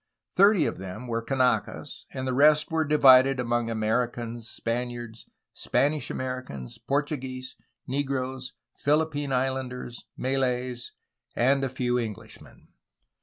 Thirty of them were Kanakas, and the rest were divided among Americans, Spaniards, Spanish Americans, Portuguese, negroes, Phihppine Islanders, Malays, and a few Englishmen.